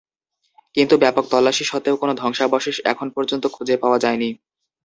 কিন্তু ব্যাপক তল্লাশি সত্ত্বেও কোনো ধ্বংসাবশেষ এখন পর্যন্ত খুঁজে পাওয়া যায়নি।